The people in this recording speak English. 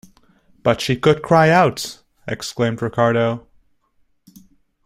"But she could cry out," exclaimed Ricardo.